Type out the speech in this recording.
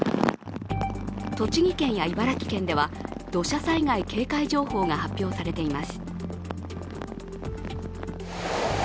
栃木県や茨城県では土砂災害警戒情報が発表されています。